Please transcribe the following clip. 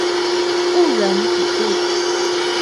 誤人子弟